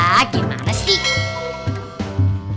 ya gimana sih